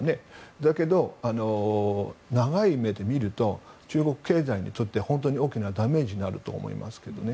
だけど、長い目で見ると中国経済にとって本当に大きなダメージになると思いますけどね。